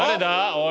おい。